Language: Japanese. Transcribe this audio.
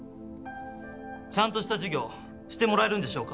ちゃんとした授業してもらえるんでしょうか？